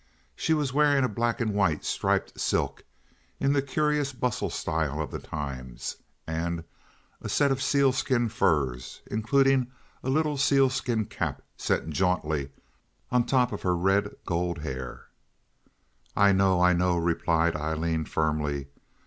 She was wearing a black and white striped silk in the curious bustle style of the times, and a set of sealskin furs, including a little sealskin cap set jauntily on top her red gold hair. "I know, I know," replied Aileen, firmly.